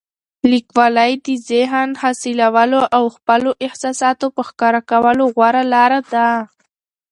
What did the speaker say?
لیکوالی د ذهن خلاصولو او د خپلو احساساتو په ښکاره کولو غوره لاره ده.